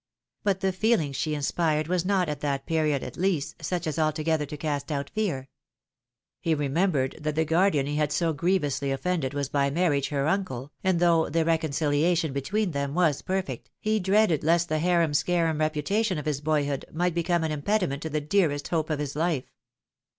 But the feel ing she inspired was not, at that period, at least, such as alto gether to cast out fear. He remembered that the guardian he had so grievously offended was by marriage her uncle, and though the reconciliation between them was perfect, he dreaded lest the harem scarem reputation of his boyhood might become an impediment to the dearest hope of his life.